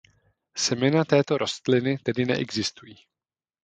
Semena této rostliny tedy neexistují.